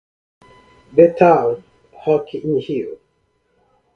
The Town, rock in rio